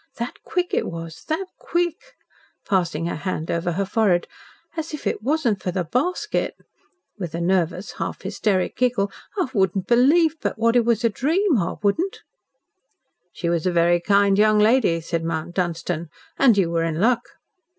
That quick it was that quick," passing her hand over her forehead, "as if it wasn't for the basket," with a nervous, half hysteric giggle, "I wouldn't believe but what it was a dream I wouldn't." "She was a very kind young lady," said Mount Dunstan, "and you were in luck."